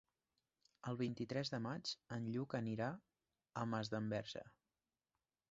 El vint-i-tres de maig en Lluc anirà a Masdenverge.